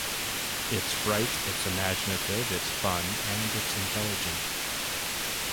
It's bright, it's imaginative, it's fun, and it's intelligent.